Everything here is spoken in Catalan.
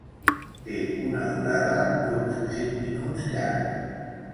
Té una durada d'uns cinc minuts llargs.